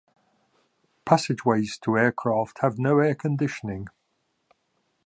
Passageways to aircraft have no air conditioning.